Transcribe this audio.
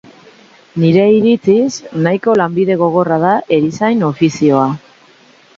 Nire iritziz, nahiko lanbide gogorra da erizain ofizioa.